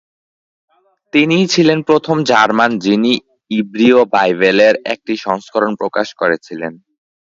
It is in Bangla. তিনিই ছিলেন প্রথম জার্মান যিনি ইব্রীয় বাইবেলের একটি সংস্করণ প্রকাশ করেছিলেন।